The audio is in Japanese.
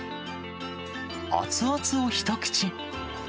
熱々を一口。